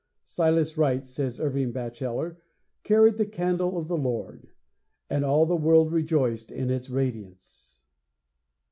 Silas Wright, says Irving Bacheller, carried the candle of the Lord; and all the world rejoiced in its radiance.